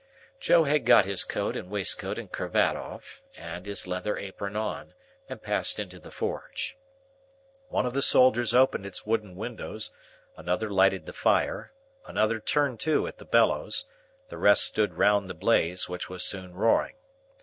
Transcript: Joe had got his coat and waistcoat and cravat off, and his leather apron on, and passed into the forge. One of the soldiers opened its wooden windows, another lighted the fire, another turned to at the bellows, the rest stood round the blaze, which was soon roaring.